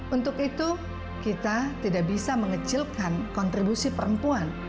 untuk itu kita tidak bisa mengecilkan kontribusi perempuan